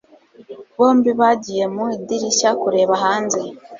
Bombi bagiye mu idirishya kureba hanze.